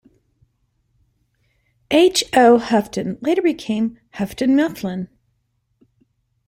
H. O. Houghton later became Houghton Mifflin.